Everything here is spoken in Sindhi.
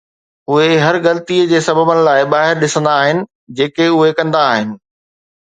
اهي هر غلطي جي سببن لاء ٻاهر ڏسندا آهن جيڪي اهي ڪندا آهن.